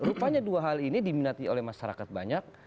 rupanya dua hal ini diminati oleh masyarakat banyak